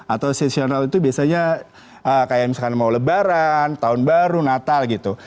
atau sesional itu biasanya kayak misalkan mau lebaran tahun baru natal gitu